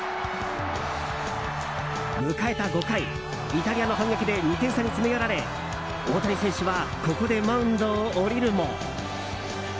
迎えた５回、イタリアの反撃で２点差に詰め寄られ大谷選手はここでマウンドを降りるも。